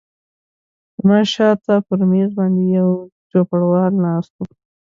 زما شاته پر مېز باندې یو چوپړوال ناست و.